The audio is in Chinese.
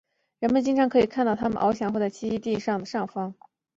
人们经常可以看到它们翱翔或栖息在篱笆桩或枯木的上方。